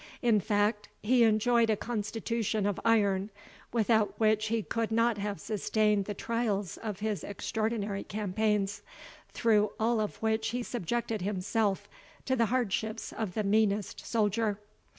In fact, he enjoyed a constitution of iron, without which he could not have sustained the trials of his extraordinary campaigns, through all of which he subjected himself to the hardships of the meanest soldier.